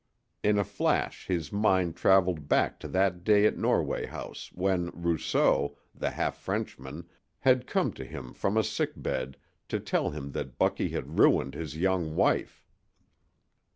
In a flash his mind traveled back to that day at Norway House when Rousseau, the half Frenchman, had come to him from a sick bed to tell him that Bucky had ruined his young wife.